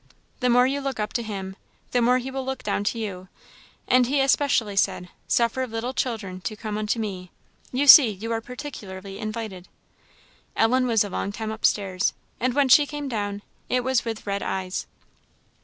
The more you look up to him, the more he will look down to you; and he especially said, 'Suffer little children to come unto me;' you see you are particularly invited." Ellen was a long time upstairs, and when she came down, it was with red eyes.